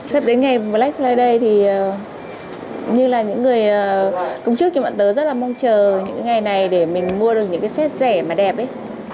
sắp đến ngày black friday thì như là những người công chức như bạn tớ rất là mong chờ những ngày này để mình mua được những cái xét rẻ mà đẹp ấy